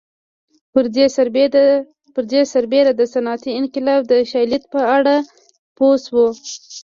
پر دې سربېره د صنعتي انقلاب د شالید په اړه پوه شو